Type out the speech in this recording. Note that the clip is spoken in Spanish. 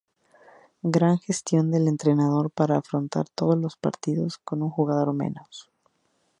Gran gestión del entrenador para afrontar todos los partidos con un jugador menos.